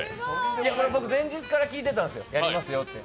これ、僕、前日から聞いてたんです、やりますって。